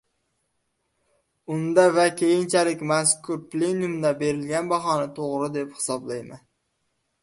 Unda va keyinchalik mazkur plenumda berilgan bahoni to‘g‘ri deb hisoblayman.